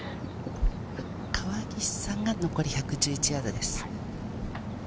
川岸さんが残り１１１ヤードです。